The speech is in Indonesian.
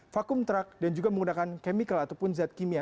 vakum truk dan juga menggunakan chemical ataupun zat kimia